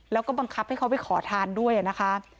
แล้วก็บังคับให้เขาไปขอทานด้วยนะคะ